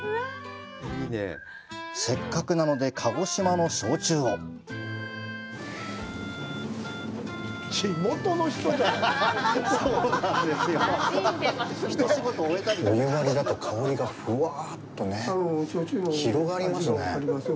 せっかくなので、鹿児島の焼酎をお湯割りだと、香りがふわっとね、広がりますね。